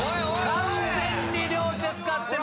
完全に。